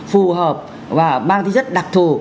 phù hợp và mang tính chất đặc thù